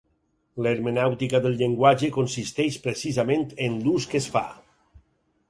L'hermenèutica del llenguatge consisteix precisament en l'ús que es fa.